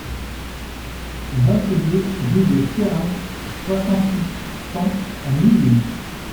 vingt-deux rue de Sierentz, soixante-huit, cent à Mulhouse